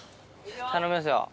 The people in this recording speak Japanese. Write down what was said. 頼みますよ。